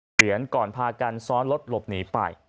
เหรียญก่อนพากันซ้อนรถหลบหนีไป